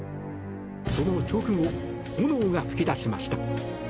その直後、炎が噴き出しました。